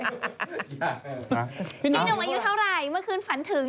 พี่หนุ่มอายุเท่าไหร่เมื่อคืนฝันถึง